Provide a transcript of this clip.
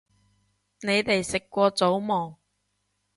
你哋食過早吂